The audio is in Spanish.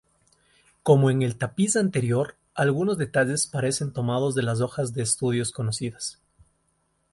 Como en el tapiz anterior, algunos detalles parecen tomados de hojas de estudio conocidas.